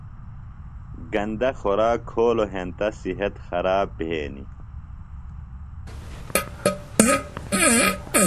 گندہ خوراک کھولوۡ ہینتہ صحت خراب بھینیۡ۔